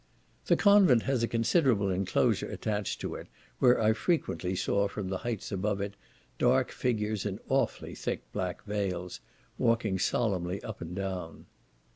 The convent has a considerable inclosure attached to it, where I frequently saw from the heights above it, dark figures in awfully thick black veils, walking solemnly up and down.